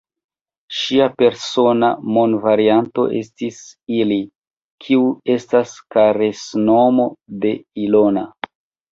Ŝia persona nomvarianto estis "Ili," kiu estas karesnomo de Ilona.